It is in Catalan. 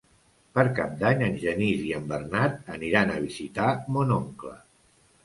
Per Cap d'Any en Genís i en Bernat aniran a visitar mon oncle.